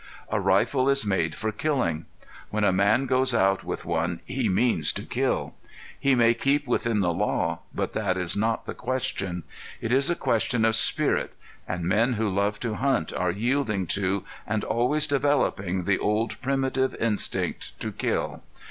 A rifle is made for killing. When a man goes out with one he means to kill. He may keep within the law, but that is not the question. It is a question of spirit, and men who love to hunt are yielding to and always developing the old primitive instinct to kill.